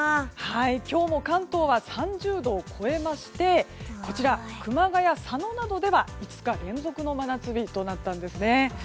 今日も関東は３０度を越えまして熊谷、佐野などでは２日連続の真夏日となったんですね。